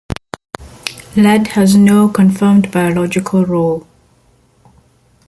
Lead has no confirmed biological role.